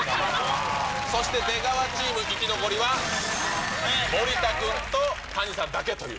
そして出川チーム、生き残りは森田君と谷さんだけという。